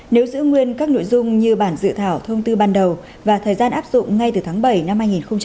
nếu giữ nguyên các nội dung như bản dự thảo thông tư ban đầu và thời gian áp dụng ngay từ tháng bảy năm hai nghìn hai mươi